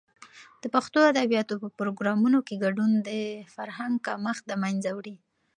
د پښتو ادبیاتو په پروګرامونو کې ګډون، د فرهنګ کمښت د منځه وړي.